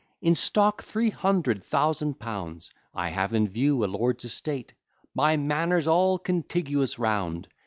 In stock three hundred thousand pounds, I have in view a lord's estate; My manors all contiguous round!